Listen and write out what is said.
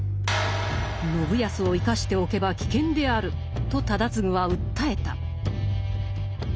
「信康を生かしておけば危険である」と忠次は訴えた。